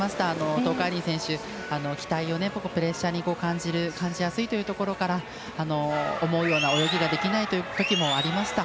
東海林選手、期待をプレッシャーに感じやすいというところから思うような泳ぎができないというときもありました。